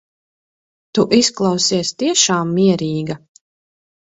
Tu izklausies tiešām mierīga.